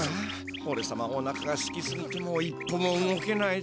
おれさまおなかがすきすぎてもう一歩も動けないぜ。